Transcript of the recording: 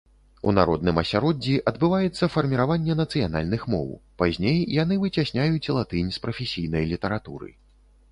У народным асяроддзі адбываецца фарміраванне нацыянальных моў, пазней яны выцясняюць латынь з прафесійнай літаратуры.